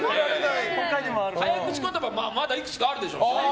早口言葉はまだいくつかあるでしょうしね。